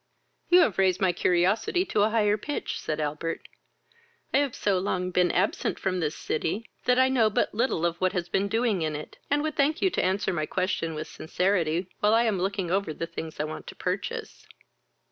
"You have raised my curiosity to a higher pitch,(said Albert.) I have so long been absent from this city, that I know but little of what has been doing in it, and would thank you to answer my question with sincerity, while I am looking over the things I want to purchase."